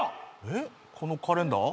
えっこのカレンダー？